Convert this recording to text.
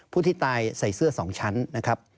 ที่ตายใส่เสื้อ๒ชั้นนะครับ